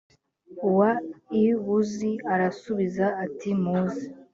w i buzi arasubiza ati muze